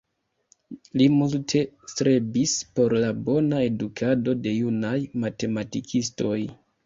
Li multe strebis por la bona edukado de junaj matematikistoj.